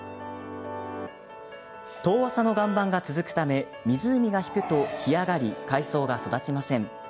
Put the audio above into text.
遠浅の岩盤が続くため潮が引くと干上がり海藻が育ちません。